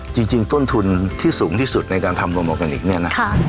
จริงต้นทุนที่สูงที่สุดในการทำโรแกนิคเนี่ยนะ